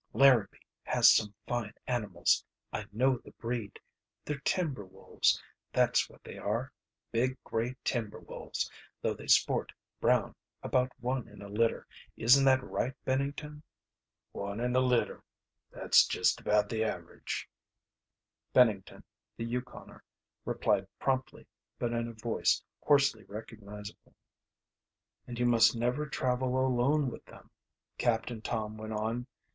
Larabee has some fine animals. I know the breed. They're timber wolves, that's what they are, big grey timber wolves, though they sport brown about one in a litter isn't that right, Bennington?" "One in a litter, that's just about the average," Bennington, the Yukoner, replied promptly, but in a voice hoarsely unrecognisable. "And you must never travel alone with them," Captain Tom went on.